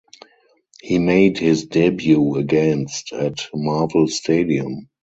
He made his debut against at Marvel stadium.